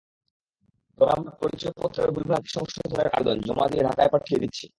তবে আমরা পরিচয়পত্রের ভুলভ্রান্তি সংশোধনের আবেদন জমা নিয়ে ঢাকায় পাঠিয়ে দিচ্ছি।